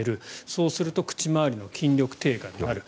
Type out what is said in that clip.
そうすると口周りの筋力低下になる。